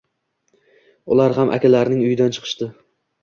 Ular ham akalarining uyidan chiqishdi.